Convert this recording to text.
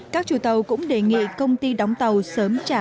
các chủ tàu cũng đề nghị công ty đóng tàu sớm trả lại